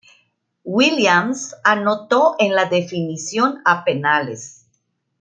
Williams anotó en la definición a penales.